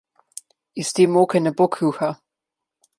Iz te moke ne bo kruha.